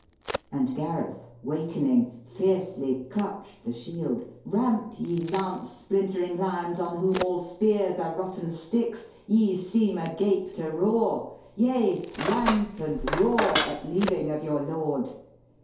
And Gareth, wakening, fiercely clutch'd the shield; ' Ramp ye lance splintering lions, on whom all spears Are rotten sticks! ye seem agape to roar! Yea, ramp and roar at leaving of your lord!